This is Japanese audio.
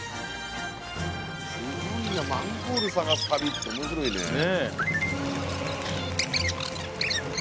すごいなマンホール探す旅っておもしろいね。